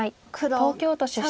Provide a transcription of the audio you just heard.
東京都出身。